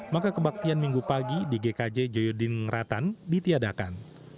maka kebaktian minggu pagi di gkj joyo dinratan ditiadakan